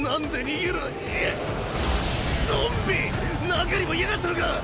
中にもいやがったのか！